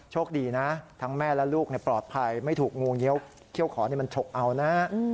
โชคดีนะทั้งแม่และลูกปลอดภัยไม่ถูกงูเงี้ยวเขี้ยวขอมันฉกเอานะ